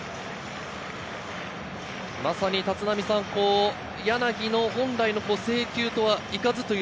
立浪さん、柳の本来の制球とはいかずという。